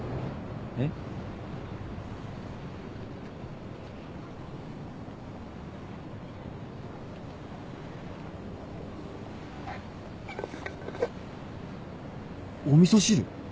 えっ？お味噌汁？